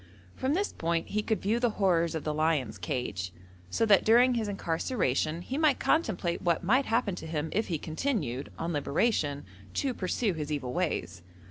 From this point he could view the horrors of the lion's cage, so that during his incarceration he might contemplate what might happen to him if he continued, on liberation, to pursue his evil ways.